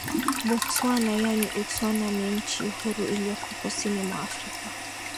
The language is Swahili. Botswana yaani Utswana ni nchi huru iliyoko Kusini mwa Afrika